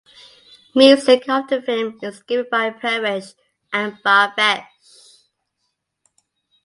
Music of the film is given by Paresh and Bhavesh.